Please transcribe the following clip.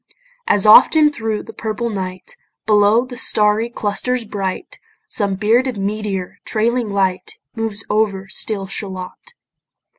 As often thro' the purple night, Below the starry clusters bright, Some bearded meteor, trailing light, Moves over still Shalott.